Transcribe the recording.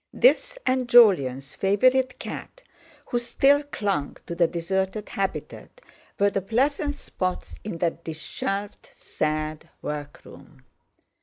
This, and Jolyon's favourite cat, who still clung to the deserted habitat, were the pleasant spots in that dishevelled, sad workroom.